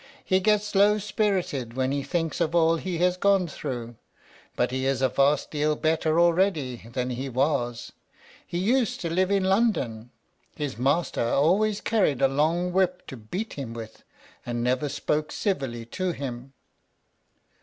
"He gets low spirited when he thinks of all he has gone through; but he is a vast deal better already than he was. He used to live in London; his master always carried a long whip to beat him with, and never spoke civilly to him."